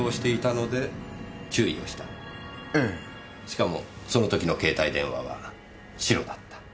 しかもその時の携帯電話は白だった。